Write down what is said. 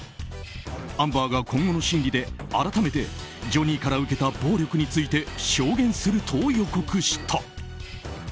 アンバーが今後の審理で改めて、ジョニーから受けた暴力について証言すると予告した。